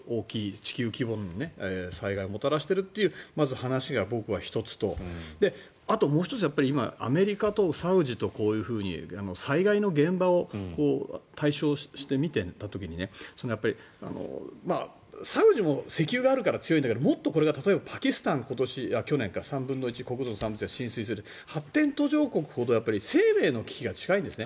地球規模の災害をもたらしているというまず話が僕は１つとあともう１つアメリカとサウジとこういうふうに災害の現場を対照して診た時にサウジも石油があるから強いんだけど、もっとこれが例えばパキスタン国土３分の１が浸水するって、発展途上国ほど生命の危機が近いんですね。